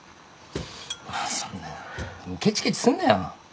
まあそんなケチケチすんなよ。